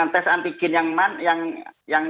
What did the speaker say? tes antigen yang